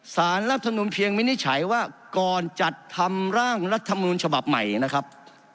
สารรัฐมนุนเพียงวินิจฉัยว่าก่อนจัดทำร่างรัฐมนูลฉบับใหม่นะครับ